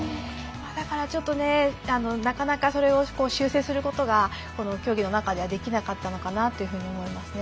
だからちょっとねなかなかそれを修正することがこの競技の中ではできなかったのかなというふうに思いますね。